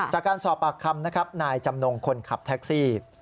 จากการสอบปากคำนะครับนายจำนงคนขับแท็กซี่